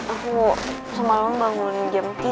aku semalam bangun jam tiga